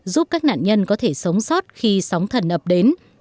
giúp các nạn nhân có thể sống sót khi sóng thần ập đến